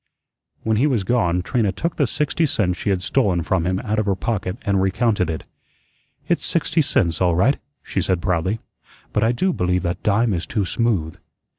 When he was gone, Trina took the sixty cents she had stolen from him out of her pocket and recounted it. "It's sixty cents, all right," she said proudly. "But I DO believe that dime is too smooth."